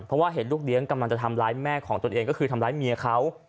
เพราะว่าเห็นลูกเลี้ยงกำลังจะทำร้ายแม่ของตนเองก็คือทำร้ายเมียเขา